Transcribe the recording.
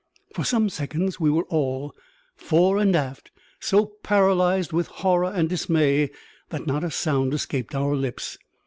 For some seconds we were all, fore and aft, so paralysed with horror and dismay that not a sound escaped our lips.